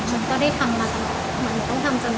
มันก็ได้ทำมามันต้องทำจนตาม